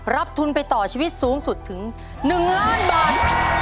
ทุนไปต่อชีวิตสูงสุดถึง๑ล้านบาท